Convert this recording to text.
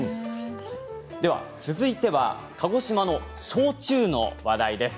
続いては鹿児島の焼酎の話題です。